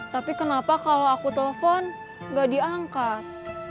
tapi kenapa kalau aku telpon gak diangkat